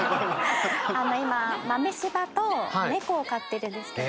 あの今豆柴と猫を飼ってるんですけど。